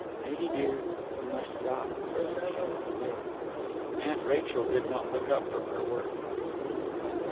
"Lady dear, you must rock or you cannot live." Aunt Rachel did not look up from her work.